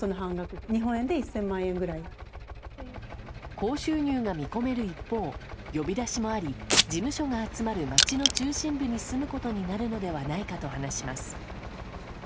高収入が見込める一方呼び出しもあり事務所が集まる街の中心部に住むことになるのではないかと話します。